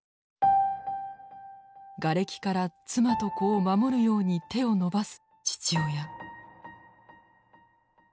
がれきから妻と子を守るように手を伸ばす父親。